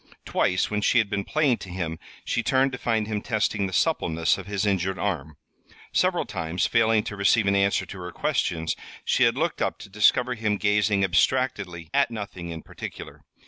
Twice, when she had been playing to him, she turned to find him testing the suppleness of his injured arm. Several times, failing to receive an answer to her questions, she had looked up to discover him gazing abstractedly at nothing in particular.